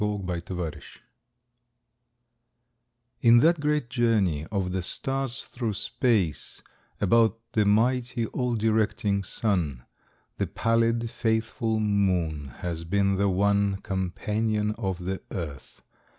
A SOLAR ECLIPSE In that great journey of the stars through space About the mighty, all directing Sun, The pallid, faithful Moon has been the one Companion of the Earth.